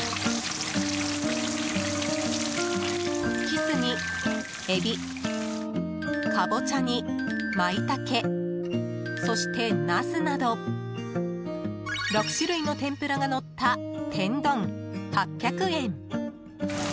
キスにエビ、カボチャにマイタケそしてナスなど６種類の天ぷらがのった天丼、８００円。